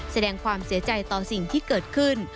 แสดงความเสียใจต่อสิ่งที่เกิดขึ้น